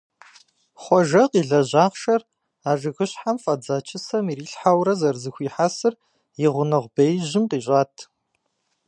Хъуэжэ къилэжь ахъшэр а жыгыщхьэм фӀэдза чысэм ирилъхьэурэ зэрызэхуихьэсыр и гъунэгъу беижьым къищӀат.